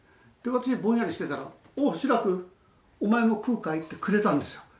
私、ぼんやりしてたら、お、志らく、お前も食うかい？ってくれたんですよ。